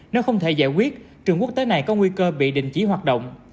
nếu không thể giải quyết trường quốc tế này có nguy cơ bị đình chỉ hoạt động